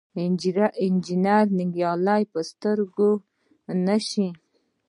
انجنیر ننګیالی په سترګه نه شو.